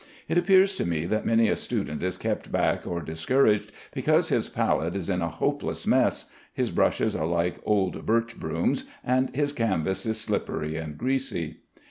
It appears to me that many a student is kept back or discouraged because his palette is in a hopeless mess; his brushes are like old birch brooms, and his canvas is slippery and greasy.